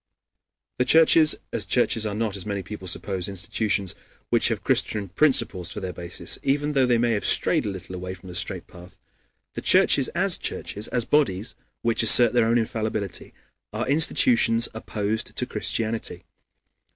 The churches as churches are not, as many people suppose, institutions which have Christian principles for their basis, even though they may have strayed a little away from the straight path. The churches as churches, as bodies which assert their own infallibility, are institutions opposed to Christianity.